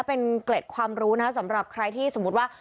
เป็นเกล็ดความรู้นะครับสำหรับใครที่สมมุติว่า